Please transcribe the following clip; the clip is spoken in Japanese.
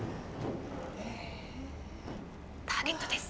ターゲットです。